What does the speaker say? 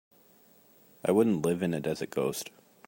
I wouldn't live in it as a ghost.